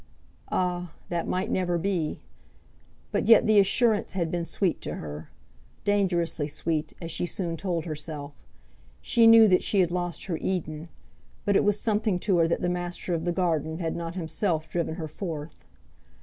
Ah! that might never be. But yet the assurance had been sweet to her; dangerously sweet, as she soon told herself. She knew that she had lost her Eden, but it was something to her that the master of the garden had not himself driven her forth.